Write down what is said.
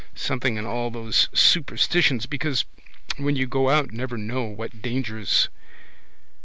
Something in all those superstitions because when you go out never know what dangers.